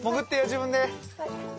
自分で。